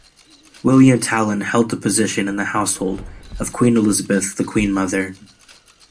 William Tallon held the position in the Household of Queen Elizabeth The Queen Mother.